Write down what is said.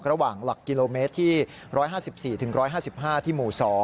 ระหว่างหลักกิโลเมตรที่๑๕๔๑๕๕ที่หมู่๒